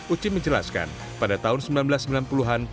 uci menjelaskan pada tahun seribu sembilan ratus sembilan puluh an